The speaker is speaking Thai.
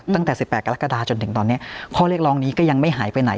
ตั้งแต่๑๘กรกฎาจนถึงตอนนี้ข้อเรียกร้องนี้ก็ยังไม่หายไปไหน